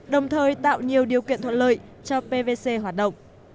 đồng thời tạo nhiều điều kiện thuận lợi cho pvc hoạt động